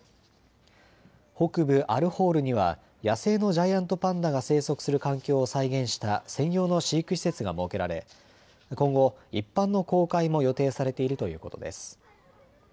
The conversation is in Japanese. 北部アルホールには野生のジャイアントパンダが生息する環境を再現した専用の飼育施設が設けられ、今後、一般の公開も予定されているということです。